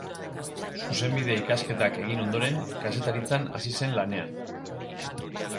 Zuzenbide-ikasketak egin ondoren, kazetaritzan hasi zen lanean.